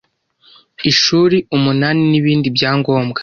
ishuri, umunani n’ibindi bya ngombwa.